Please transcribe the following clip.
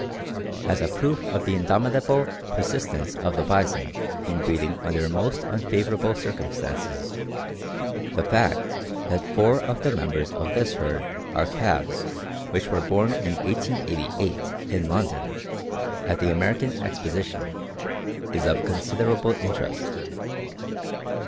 As a proof of the indomitable persistence of the bison in breeding under most unfavorable circumstances, the fact that four of the members of this herd are calves which were born in 1888 in London, at the American Exposition, is of considerable interest.